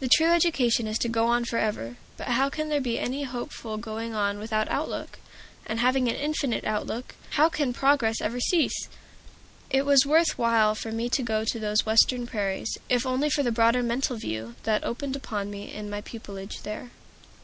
The true education is to go on forever. But how can there be any hopeful going on without outlook? And having an infinite outlook, how can progress ever cease? It was worth while for me to go to those Western prairies, if only for the broader mental view that opened upon me in my pupilage there.